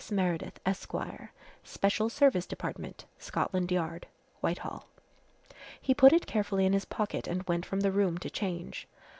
Meredith, Esq., Special Service Dept., Scotland Yard, Whitehall." He put it carefully in his pocket and went from the room to change.